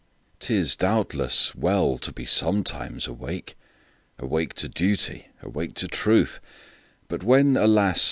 'T is, doubtless, well to be sometimes awake,—Awake to duty, and awake to truth,—But when, alas!